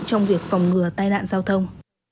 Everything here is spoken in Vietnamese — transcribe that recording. trong việc phòng ngừa tai nạn giao thông